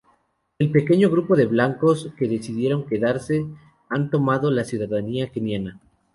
El pequeño grupo de blancos que decidieron quedarse, han tomado la ciudadanía keniana.